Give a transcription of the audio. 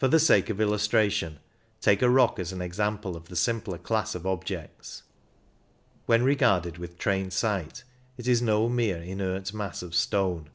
For the sake of illustration take a rock as an example of the simpler class of objects. When regarded with trained sight it is no mere inert mass of stone.